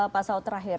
pak saud terakhir